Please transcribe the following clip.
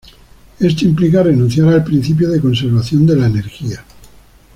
Esto implica renunciar al principio de conservación de la energía.